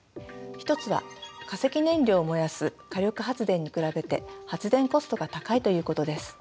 １つは化石燃料を燃やす火力発電に比べて発電コストが高いということです。